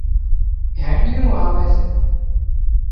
ڀيڏيون واوي سي